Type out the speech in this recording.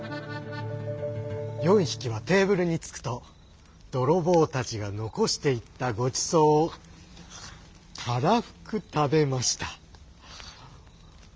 ４ひきはテーブルにつくとどろぼうたちがのこしていったごちそうをたらふくたべました。